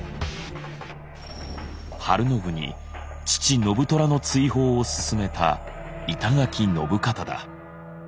晴信に父信虎の追放を勧めた板垣信方だ。